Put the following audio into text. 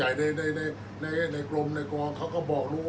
อันไหนที่มันไม่จริงแล้วอาจารย์อยากพูด